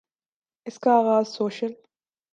اس کا آغاز سوشل